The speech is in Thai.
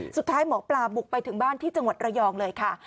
สุดท้ายหมอปลาบุกไปถึงบ้านที่จังหวัดระยองเลยค่ะ